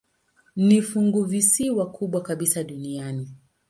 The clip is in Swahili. Ni funguvisiwa kubwa kabisa duniani.